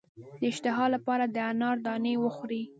د اشتها لپاره د انار دانې وخورئ